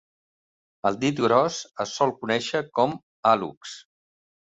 El dit gros es sol conèixer com hallux.